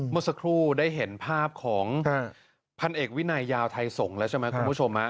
เมื่อสักครู่ได้เห็นภาพของพันเอกวินัยยาวไทยส่งแล้วใช่ไหมคุณผู้ชม